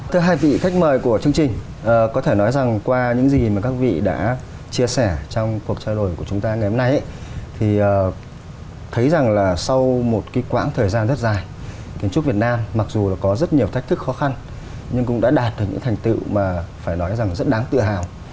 thưa hai vị khách mời của chương trình có thể nói rằng qua những gì mà các vị đã chia sẻ trong cuộc trao đổi của chúng ta ngày hôm nay thì thấy rằng là sau một cái quãng thời gian rất dài kiến trúc việt nam mặc dù là có rất nhiều thách thức khó khăn nhưng cũng đã đạt được những thành tựu mà phải nói rằng rất đáng tự hào